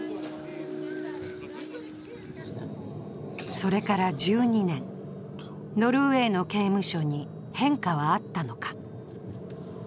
それから１２年、ノルウェーの刑務所に変化はあったのか。